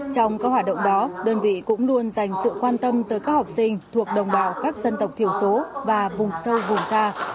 trong các hoạt động đó đơn vị cũng luôn dành sự quan tâm tới các học sinh thuộc đồng bào các dân tộc thiểu số và vùng sâu vùng xa